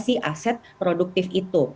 si aset produktif itu